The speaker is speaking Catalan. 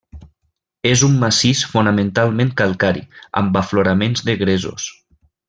És un massís fonamentalment calcari, amb afloraments de gresos.